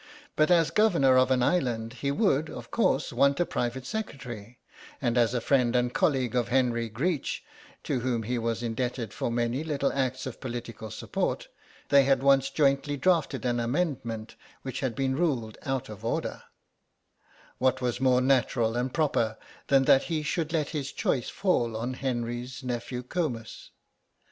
But as Governor of an island he would, of course, want a private secretary, and as a friend and colleague of Henry Greech, to whom he was indebted for many little acts of political support (they had once jointly drafted an amendment which had been ruled out of order), what was more natural and proper than that he should let his choice fall on Henry's nephew Comus?